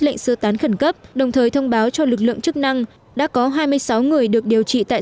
lệnh sơ tán khẩn cấp đồng thời thông báo cho lực lượng chức năng đã có hai mươi sáu người được điều trị tại